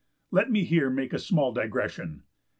Let me here make a small digression.